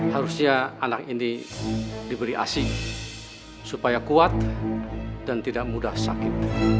harusnya anak ini diberi asing supaya kuat dan tidak mudah sakit